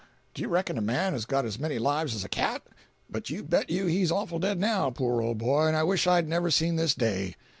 Do you reckon a man has got as many lives as a cat? But you bet you he's awful dead now, poor old boy, and I wish I'd never seen this day.